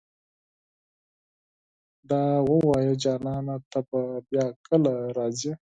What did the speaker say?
دا اووايه جانانه ته به بيا کله راځې